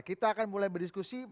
kita akan mulai berdiskusi